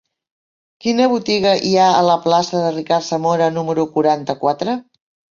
Quina botiga hi ha a la plaça de Ricard Zamora número quaranta-quatre?